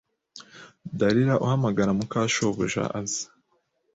Dalila uhamagara muka shobuja aze